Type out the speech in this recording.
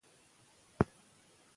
دغه ډول تېروتنې ژبه کمزورې کوي.